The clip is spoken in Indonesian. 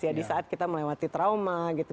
ya di saat kita melewati trauma gitu